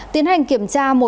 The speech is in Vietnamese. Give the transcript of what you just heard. tiến hành kiểm tra một điện